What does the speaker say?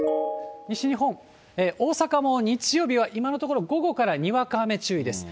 西日本、大阪も日曜日は今のところ、午後からにわか雨注意です。